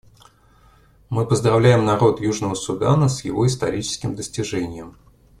Мы поздравляем народ Южного Судана с его историческим достижением.